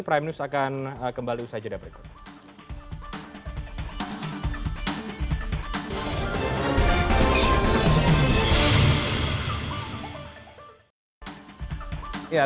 prime news akan kembali usai jeda berikut